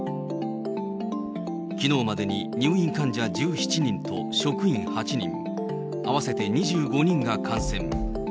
きのうまでに入院患者１７人と職員８人、合わせて２５人が感染。